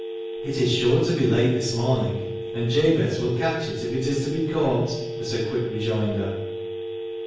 "It is sure to be late this morning^ and Jabez will catch it if it is to be caught," was her quick rejoinder.